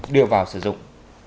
đưa vào sử dụng